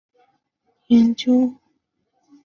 此后长期在中国科学院北京天文台从事研究。